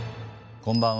こんばんは。